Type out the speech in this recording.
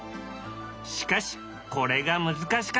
しかしこれが難しかった。